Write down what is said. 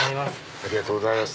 ありがとうございます。